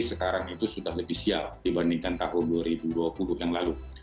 sekarang itu sudah lebih siap dibandingkan tahun dua ribu dua puluh yang lalu